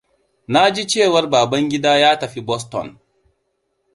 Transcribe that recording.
Na ji cewar Babangida ya tafi Boston.